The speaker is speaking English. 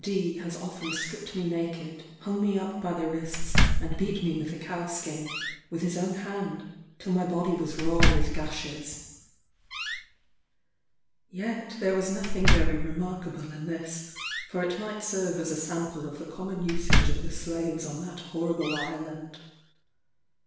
D has often stripped me naked, hung me up by the wrists, and beat me with the cow skin, with his own hand, till my body was raw with gashes. Yet there was nothing very remarkable in this; for it might serve as a sample of the common usage of the slaves on that horrible island.